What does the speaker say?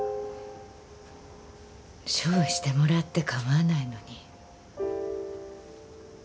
処分してもらって構わないのに。